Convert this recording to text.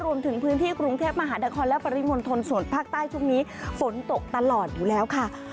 รวมถึงพื้นที่กรุงเทพมหานครและปริมณฑลส่วนภาคใต้ช่วงนี้ฝนตกตลอดอยู่แล้วค่ะ